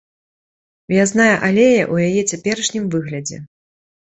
Уязная алея ў яе цяперашнім выглядзе.